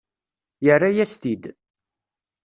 Yerra-yas-t-id.